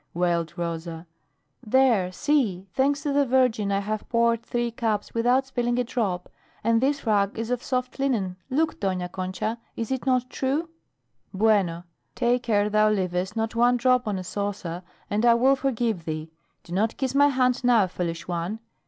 wailed Rosa. "There see thanks to the Virgin I have poured three cups without spilling a drop. And this rag is of soft linen. Look, Dona Concha, is it not true?" "Bueno; take care thou leavest not one drop on a saucer and I will forgive thee do not kiss my hand now, foolish one!